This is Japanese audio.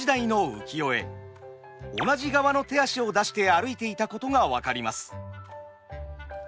同じ側の手足を出して歩いていたことが分かります。